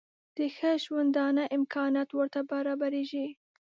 د ښه ژوندانه امکانات ورته برابرېږي.